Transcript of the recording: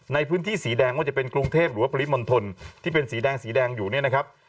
ในพื้นที่สีแดงว่าจะเป็นกรุงเทพฯหรือว่าสีแดงอยู่เนี่ยนะครับ